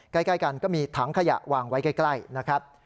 ใกล้กันก็มีถังขยะวางไว้ใกล้นะครับ